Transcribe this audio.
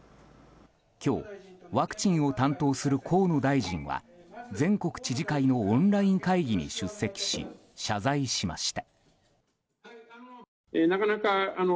今日、ワクチンを担当する河野大臣は全国知事会のオンライン会議に出席し謝罪しました。